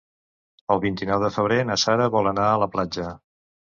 El vint-i-nou de febrer na Sara vol anar a la platja.